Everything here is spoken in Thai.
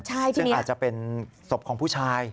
ใช่ที่นี่อาจจะเป็นศพของผู้ชาย